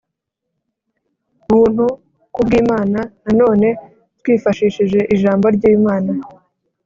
buntu nk’ubw’ imana.nanone twifashishije ijambo ry’ imana: